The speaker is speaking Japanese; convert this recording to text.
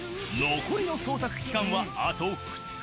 残りの捜索期間はあと２日。